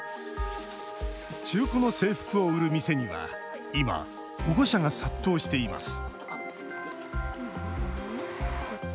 中古の制服を売る店には今、保護者が殺到しています